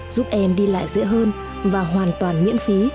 giúp em đi lại dễ hơn và hoàn toàn miễn phí